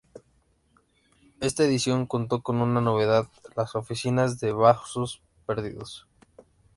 Esta edición contó con una novedad: Las "Oficinas de Vasos Perdidos".